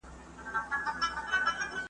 بوزه چي هم پرېوځي ځای په پښو پاکوي ,